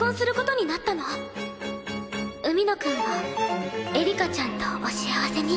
海野くんもエリカちゃんとお幸せに。